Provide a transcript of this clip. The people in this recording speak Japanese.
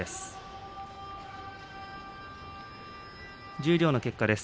十両の結果です。